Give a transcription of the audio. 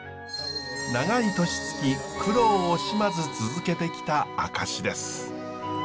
長い年月苦労惜しまず続けてきた証しです。